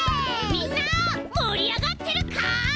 みんなもりあがってるかい？